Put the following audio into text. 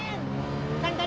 kan tadi udah saya jawab